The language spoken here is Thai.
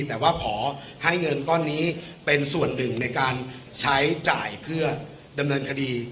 แต่ว่าขอให้เงินก้อนนี้เป็นส่วนหนึ่งในการใช้จ่ายเพื่อดำเนินคดี